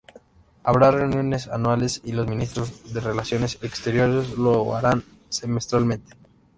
Habrá reuniones anuales y los ministros de relaciones exteriores lo harán semestralmente.